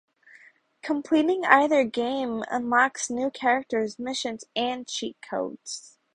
Completing either game unlocks new characters, missions, and cheat codes.